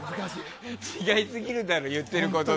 違いすぎるだろ、言ってることと。